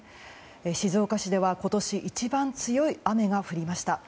静岡市では今年一番強い雨が降りました。